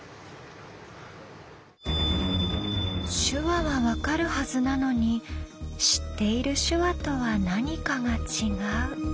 手話は分かるはずなのに知っている手話とは何かが違う。